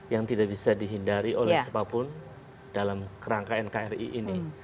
yang tidak bisa dihindari oleh siapa pun dalam rangka nkri ini